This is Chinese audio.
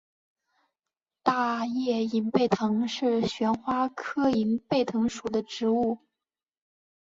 大叶银背藤是旋花科银背藤属的植物。